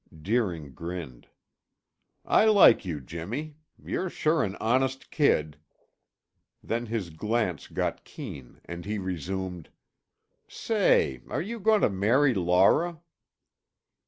Deering grinned. "I like you, Jimmy! You're sure an honest kid." Then his glance got keen and he resumed: "Say, are you going to marry Laura?"